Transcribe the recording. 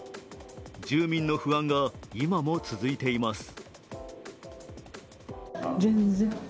住民の不安が今も続いています。